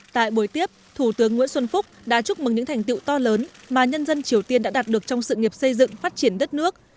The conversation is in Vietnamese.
tại buổi tiếp thủ tướng nguyễn xuân phúc đã chúc mừng những thành tiệu to lớn mà nhân dân triều tiên đã đạt được trong sự nghiệp xây dựng phát triển đất nước